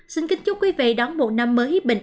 xin kính chúc quý vị đón một năm mới bình an toàn sự như ý